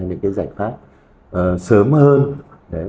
những giải pháp sớm hơn